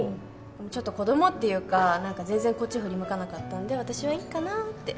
ちょっと子供っていうか何か全然こっち振り向かなかったんで私はいいかなって。